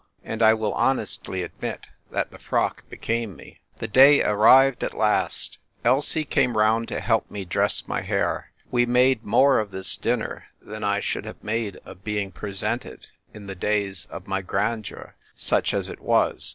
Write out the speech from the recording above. And I will honestly admit that the frock became me. The day arrived at last. Elsie came round A DRAWN ISATTLE. l8l to help me dress my hair Wc made more of this dinner than I should have made of being presented in the days of my grandeur — such as it was.